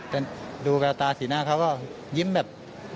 แต่ดูแววตาสีหน้าเขาก็ยิ้มแบบ